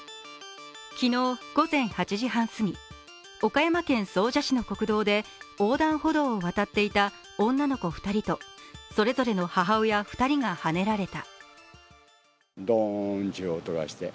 昨日、午前８時半すぎ、岡山県総社市の国道で横断歩道を渡っていた女の子２人とそれぞれの母親２人がはねられた。